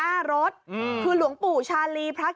การนอนไม่จำเป็นต้องมีอะไรกัน